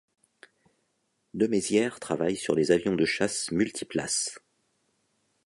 Demaizière travaille sur les avions de chasse multiplaces.